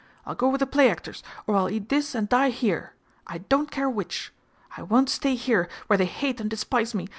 I'll go with the play actors, or I'll eat this and die here. I don't care which. I won't stay here, where they hate and despise me!